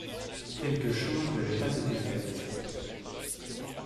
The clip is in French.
Quelques choses n'avaient pas été faites.